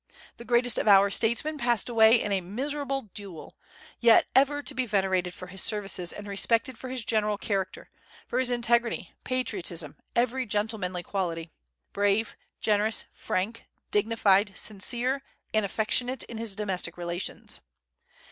The greatest of our statesmen passed away in a miserable duel; yet ever to be venerated for his services and respected for his general character, for his integrity, patriotism, every gentlemanly quality, brave, generous, frank, dignified, sincere, and affectionate in his domestic relations.